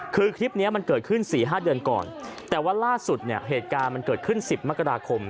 คือคลิปนี้มันเกิดขึ้น๔๕เดือนก่อนแต่ว่าล่าสุดเนี่ยเหตุการณ์มันเกิดขึ้น๑๐มกราคม